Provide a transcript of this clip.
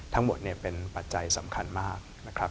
ทั้งหมดเป็นปัจจัยสำคัญมาก